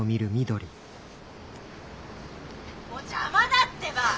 もう邪魔だってば！